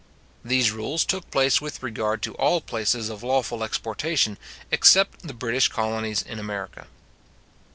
These rules took place with regard to all places of lawful exportation, except the British colonies in America.